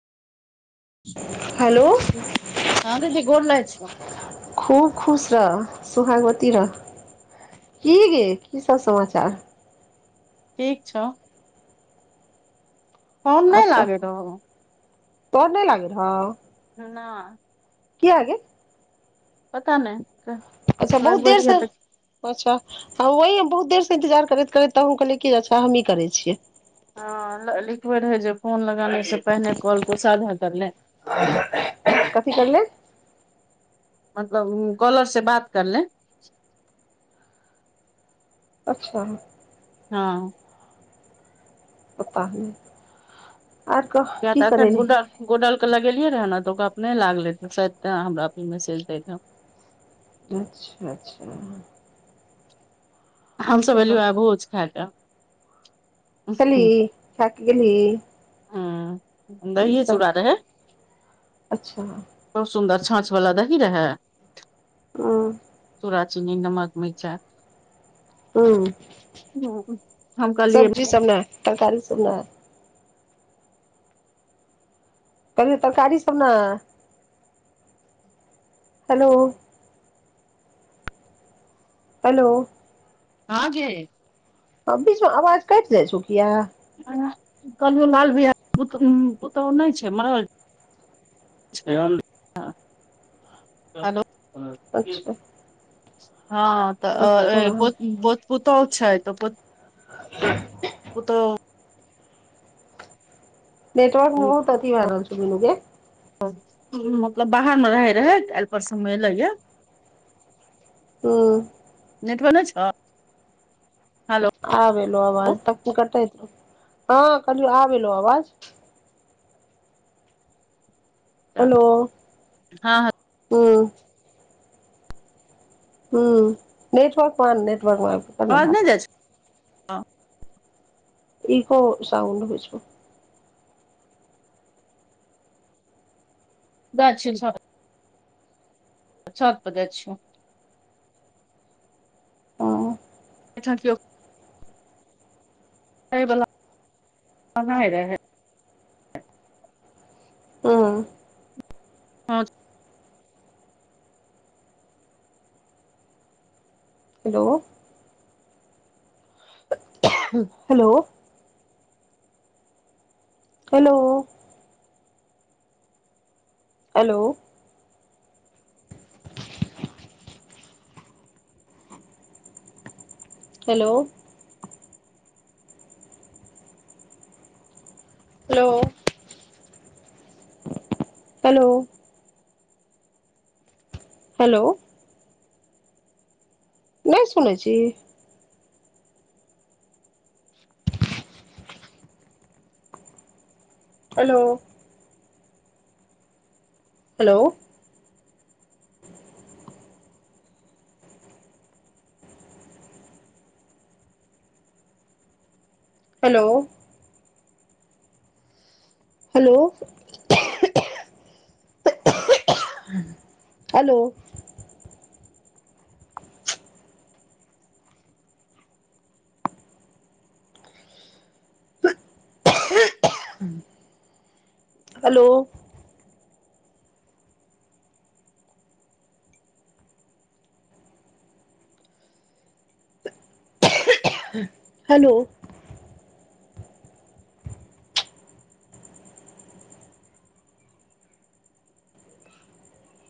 hello hello हां दिदी गोर लागय छिऔ खुब खुश रह सुहागवती रह की गे की सब समाचार ठीक छौ फोन नहि लागे रहउ फोन नहि लागै हौ नां के है गे पता नहि अच्छा बहुत लगबै रहियै देरसँ तऽ अच्छा ओही हम बहुत देरसँ इन्तजार करैत करैत त कहलियै कि अच्छा हमही करै छियै हँ लिखबे रहे जे फोन लगाने से पहिनेे कॉल को साधा कर ले कथी कहलिऐ मतलब कॉलर से बात कर ले अच्छा हँ पता नहि आर कह किया की तऽ अखन करै रही गुड्डा गोडल के लगेलियै रहे ने तऽ ओ नहि लागले रहायद ते हमरा मैसेज द रह अच्छा अच्छा हमसभ एलियौ ह भोज खाय क खेली खाक गेली हँ दहिए चूड़ा रहै अच्छा बहुत सुन्दर छाँछ वला दही रहै हँ चुड़ा चीनी नमक मिरचाय हूं हम कहलिए सब ने तरकारी सब ने कहलियो तरकारी सब ने हेलो हेलो हाँ गे ओ बीच आवाज कैट जाय छौ किया कहलियौ लाल भईया पुतहु नय छै मरल हेलो अच्छा हँ अच्छा तऽत पूतह छै [inaudible] पुतौह नटवर्क बहुत अथि भ रहल छै गे मतलब बाहर मे रहे रहै कालिह परसु मे आएलेय या हूँ नेटवर्क नहि छो आब अलोऊ आवाज तखन कटेत रहु हाँ आब आलउ आवाज हेलो हँ हूंम्म हूँ नेटवर्क मे नेटवर्क मार [unintelligible] आवाज नहि जाइ छौ ई खो साउंड होइ छौ जाइ छै [unintelligible] छत पर जाइ छियौ हूं अच्छा केओ एहि बला नहि रहै [unintelligible] हूँ हँ [unintelligible] hello hello hello hello hello hello hello hello नहि सुनै छी hello hello hello hello hello hello hello